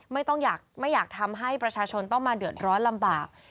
ไม่อยากทำให้ประชาชนต้องมาเดือดร้อนลำบาก